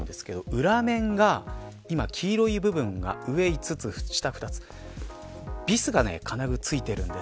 裏面が黄色い部分が上５つ、下２つビスが付いています。